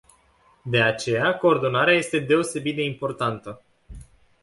De aceea coordonarea este deosebit de importantă.